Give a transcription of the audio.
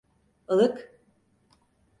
Ilık…